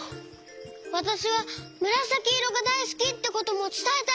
「わたしはむらさきいろがだいすき」ってこともつたえたい！